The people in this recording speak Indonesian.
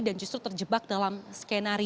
dan justru terjebak dalam skandal ini